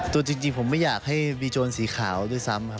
ตัวจริงผมไม่อยากให้มีโจรสีขาวด้วยซ้ำครับ